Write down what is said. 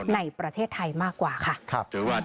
ในประเทศไทยมากกว่าค่ะ